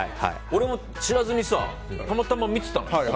俺も知らずにさたまたま見てたのよ。